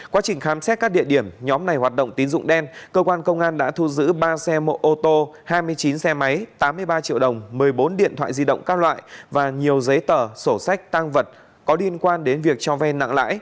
quá trình khám xét các địa điểm nhóm này hoạt động tín dụng đen cơ quan công an đã thu giữ ba xe mô tô hai mươi chín xe máy tám mươi ba triệu đồng một mươi bốn điện thoại di động các loại và nhiều giấy tờ sổ sách tăng vật có liên quan đến việc cho vay nặng lãi